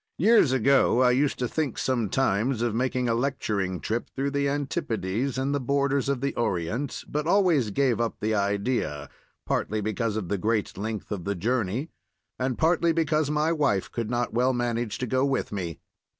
Years ago I used to think sometimes of making a lecturing trip through the antipodes and the borders of the Orient, but always gave up the idea, partly because of the great length of the journey and partly because my wife could not well manage to go with me.